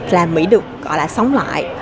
là mỹ được gọi là sống lại